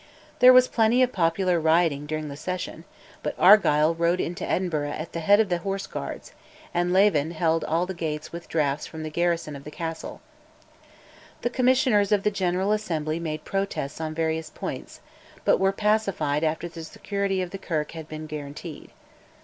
There was plenty of popular rioting during the session, but Argyll rode into Edinburgh at the head of the Horse Guards, and Leven held all the gates with drafts from the garrison of the castle. The Commissioners of the General Assembly made protests on various points, but were pacified after the security of the Kirk had been guaranteed.